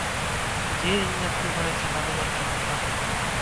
Дзеянне адбываецца на выбарчым участку.